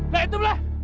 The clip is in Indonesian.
belah itu belah